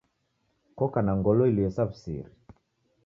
Koka na ngolo ilue sa wu'siri